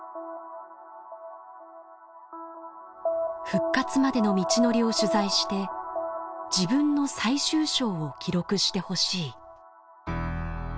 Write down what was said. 「復活までの道のりを取材して自分の最終章を記録してほしい」。